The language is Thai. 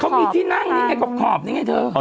เขามีที่นั่งนี่ไงขอบนี่ไงเธอ